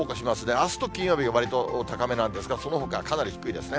あすと金曜日がわりと高めなんですが、そのほかはかなり低いですね。